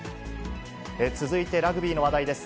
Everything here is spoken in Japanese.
続いてラグビーの話題です。